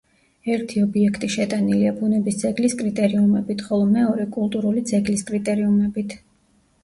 ერთი ობიექტი შეტანილია ბუნები ძეგლის კრიტერიუმებით, ხოლო მეორე კულტურული ძეგლის კრიტერიუმებით.